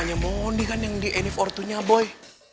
manya mondi kan yang di nfo tuhnya boy